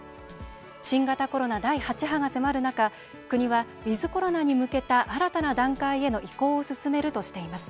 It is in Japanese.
新型コロナ第８波が迫る中国はウィズコロナに向けた新たな段階への移行を進めるとしています。